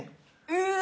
うわ！